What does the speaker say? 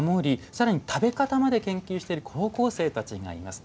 さらに食べ方まで研究している高校生たちがいます。